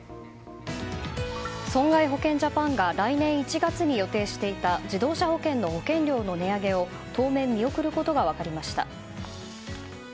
損害保険ジャパンが来年１月に予定していた自動車保険の保険料値上げを当面見送ることが分かりました。